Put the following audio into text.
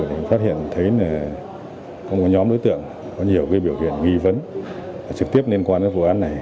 thì mình phát hiện thấy là có một nhóm đối tượng có nhiều cái biểu hiện nghi vấn trực tiếp liên quan đến vụ án này